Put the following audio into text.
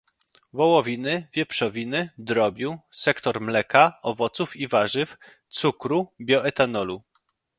wołowiny, wieprzowiny, drobiu, sektor mleka, owoców i warzyw, cukru, bioetanolu